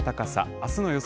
あすの予想